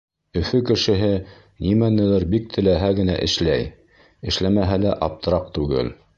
Өфө кешеһе нимәнелер бик теләһә генә эшләй. Эшләмәһә ла аптыраҡ түгел.